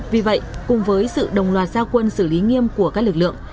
vì vậy cùng với sự đồng loạt gia quân xử lý nghiêm của các lực lượng